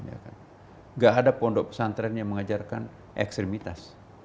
enggak ada pondok pesantren yang mengajarkan ekstremitas